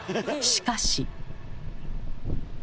しかし。